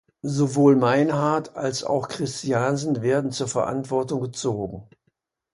Sowohl Meinhard als auch Christiansen werden zur Verantwortung gezogen.